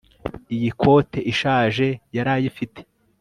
Iyi kote ishaje yarayifite